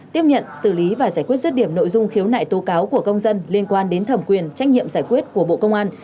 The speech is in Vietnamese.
tiếp nhận xử lý và giải quyết rứt điểm nội dung khiếu nại tố cáo của công dân liên quan đến thẩm quyền trách nhiệm giải quyết của bộ công an